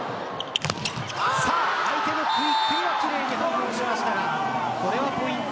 相手のクイックには奇麗に反応しましたがこれはポイント